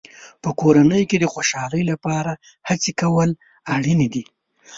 په کورنۍ کې د خوشحالۍ لپاره هڅې کول اړینې دي.